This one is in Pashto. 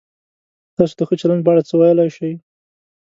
تاسو د ښه چلند په اړه څه ویلای شئ؟